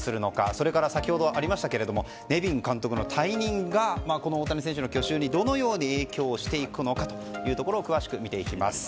それから、先ほどありましたがネビン監督の退任が大谷選手の去就にどのように影響していくのかというところを詳しく見ていきます。